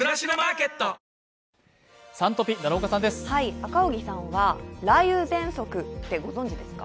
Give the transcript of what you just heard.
赤荻さんは雷雨ぜんそくってご存じですか？